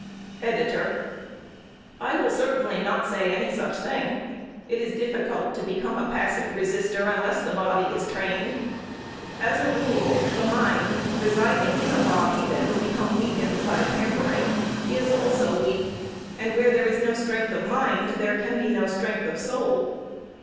EDITOR: I will certainly not say any such thing. It is difficult to become a passive resister, unless the body is trained. As a rule, the mind, residing in a body that has become weakened by pampering, is also weak, and where there is no strength of mind, there can be no strength of soul.